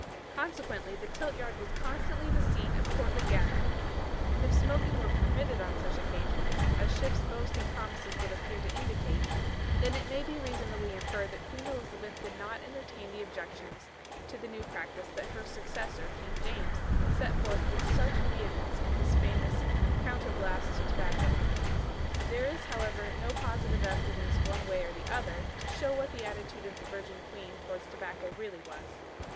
Consequently the Tiltyard was constantly the scene of courtly gatherings; and if smoking were permitted on such occasions as Shift's boasting promises would appear to indicate then it may be reasonably inferred that Queen Elizabeth did not entertain the objections to the new practice that her successor, King James, set forth with such vehemence in his famous "Counterblaste to Tobacco." There is, however, no positive evidence one way or the other, to show what the attitude of the Virgin Queen towards tobacco really was.